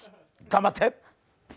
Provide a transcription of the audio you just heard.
頑張って。